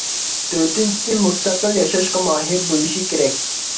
تۆتىنچىسى، مۇستەقىل ياشاشقا ماھىر بولۇشى كېرەك.